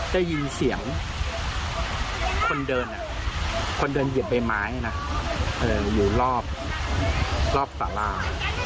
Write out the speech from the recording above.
ได้ยินเสียงคนเดินเหยียบใบไม้อยู่รอบสารา